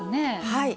はい。